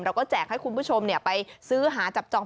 แจกให้คุณผู้ชมไปซื้อหาจับจอง